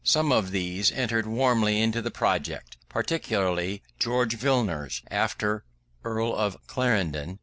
Some of these entered warmly into the project, particularly George Villiers, after Earl of Clarendon.